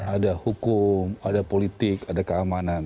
ada hukum ada politik ada keamanan